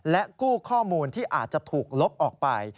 และกู้ข้อมูลที่อาจจะถูกลบออกไป